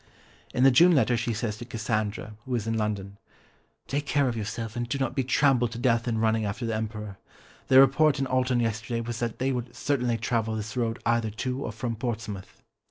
In the June letter she says to Cassandra, who was in London, "Take care of yourself and do not be trampled to death in running after the Emperor. The report in Alton yesterday was that they would certainly travel this road either to or from Portsmouth."